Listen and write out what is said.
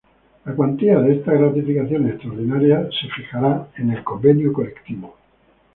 La cuantía de estas gratificaciones extraordinarias se fijará en el convenio colectivo.